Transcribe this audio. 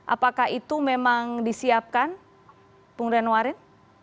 apakah itu memang disiapkan bung renwarin